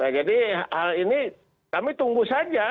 nah jadi hal ini kami tunggu saja